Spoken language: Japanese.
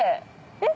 えっ？